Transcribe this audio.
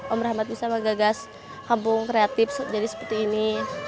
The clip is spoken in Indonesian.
om rahmat bisa menggagas kampung kreatif jadi seperti ini